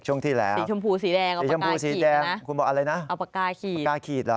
ช่วงที่แล้วนะคุณบอกอะไรนะเอาปากก้าขีด